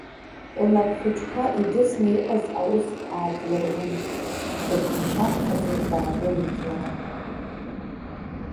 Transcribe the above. Лнапхәыҷқәа, идысны иҟаз аус аадлырун, дыԥхашьаԥхаҵо даагылеит лара.